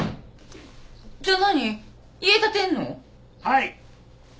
はい。